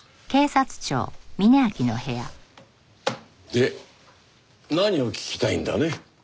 で何を聞きたいんだね？